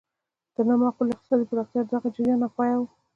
د نامعقولې اقتصادي پراختیا دغه جریان ناپایه و.